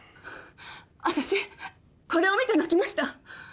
あたしこれを見て泣きました。